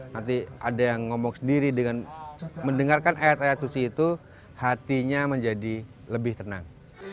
nanti ada yang ngomong sendiri dengan mendengarkan ayat ayat suci itu hatinya menjadi lebih tenang